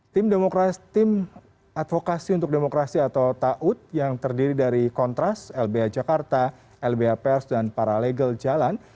tim advokasi untuk demokrasi atau taut yang terdiri dari kontras lbh jakarta lbh pers dan para legal jalan